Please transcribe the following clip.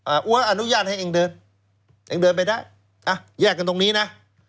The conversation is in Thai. อัวอนุญาตให้เองเดินเองเดินไปได้อ่ะแยกกันตรงนี้นะ